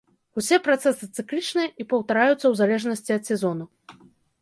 Усе працэсы цыклічныя і паўтараюцца ў залежнасці ад сезону.